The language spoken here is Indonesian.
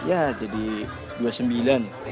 ya jadi dua sembilan